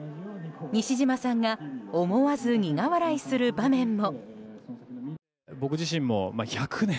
西島さんが思わず苦笑いする場面も。